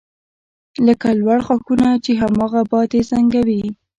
لکه لوړ ښاخونه چې هماغه باد یې زنګوي